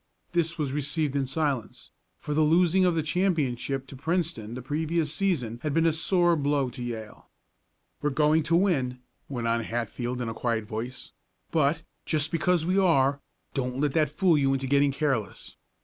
This was received in silence, for the losing of the championship to Princeton the previous season had been a sore blow to Yale. "We're going to win," went on Hatfield in a quiet voice; "but, just because we are, don't let that fool you into getting careless.